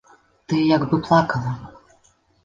Ты як бы плакала?